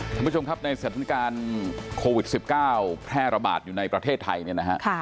ท่านผู้ชมครับในสถานการณ์โควิด๑๙แพร่ระบาดอยู่ในประเทศไทยเนี่ยนะฮะ